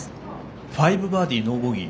５バーディー、ノーボギー。